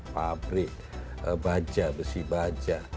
pabrik baja besi baja